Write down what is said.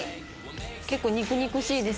結構肉々しいです